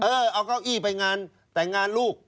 เออเอาเก้าอี้ไปงานแต่งงานลูก